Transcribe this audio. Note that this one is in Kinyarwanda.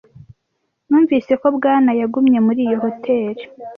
Numvise ko Bwana yagumye muri iyo hoteri.